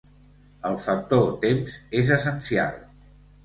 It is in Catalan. El factor temps és essencial.